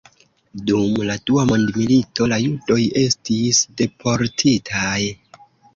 Dum la dua mondmilito la judoj estis deportitaj.